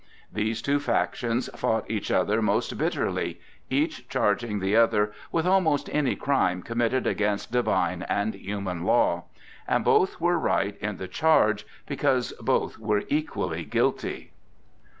These two factions fought each other most bitterly, each charging the other with almost any crime committed against divine and human law; and both were right in the charge, because both were equally guilty.